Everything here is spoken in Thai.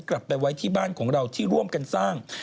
กลับไปไว้ที่บ้านของเราที่ร่วมกันสร้าง